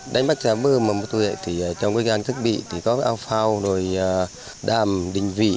đánh bắt ra bờ mà một tuổi thì trong cái gian thức bị thì có ao phao đàm đình vị